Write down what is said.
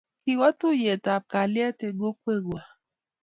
kiwo tuyietab kalyet eng' kokweng'wang'